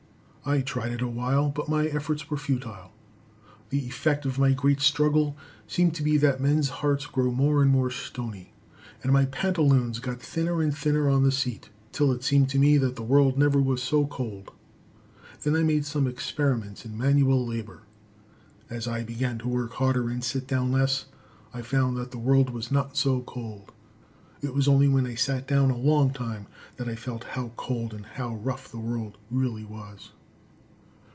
I tried it awhile, but my efforts were futile. The effect of my great struggle seemed to be that men's hearts grew more and more stony, and my pantaloons got thinner and thinner on the seat, 'till it seemed to me that the world never was so cold. Then I made some experiments in manual labor. As I began to work harder and sit down less, I found that the world was not so cold. It was only when I sat down a long time that I felt how cold and rough the world really was.